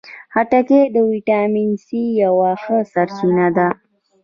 خټکی د ویټامین سي یوه ښه سرچینه ده.